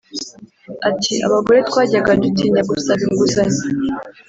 Ati”Abagore twajyaga dutinya gusaba inguzanyo